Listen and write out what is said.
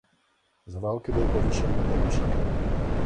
Za války byl povýšen na poručíka.